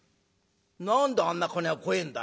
「何であんな金が怖えんだよ？」。